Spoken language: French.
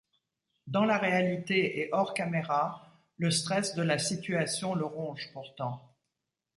Dans la réalité et hors caméras, le stress de la situation le ronge pourtant.